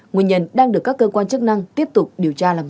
nguyên nhân đang được các cơ quan chức năng tiếp tục điều tra làm rõ